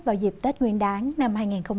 vào dịp tết nguyên đáng năm hai nghìn hai mươi